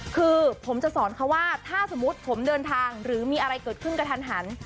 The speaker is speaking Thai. คือผมจะสอนเขาว่าถ้าสมมุติผมเดินทางหรือมีอะไรเกิดขึ้นกระทันหัน